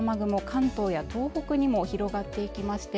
関東や東北にも広がっていきまして